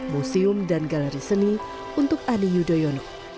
museum dan galeri seni untuk ani yudhoyono